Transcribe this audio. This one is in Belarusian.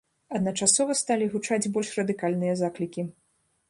Адначасова сталі гучаць больш радыкальныя заклікі.